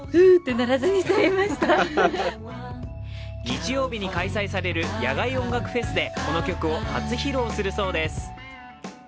日曜日に開催される野外音楽フェスでこの曲を初披露するそうです。